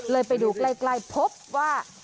ไปดูใกล้พบว่า